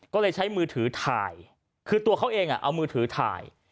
ก็เลยใช้มือถือถ่ายคือตัวเขาเองเอามือถือถ่าย